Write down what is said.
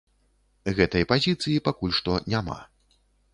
Гэтай пазіцыі пакуль што няма.